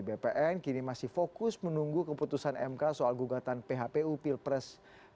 bpn kini masih fokus menunggu keputusan mk soal gugatan phpu pilpres dua ribu sembilan belas